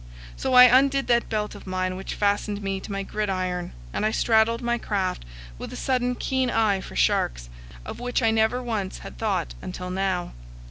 So I undid that belt of mine which fastened me to my gridiron, and I straddled my craft with a sudden keen eye for sharks, of which I never once had thought until now.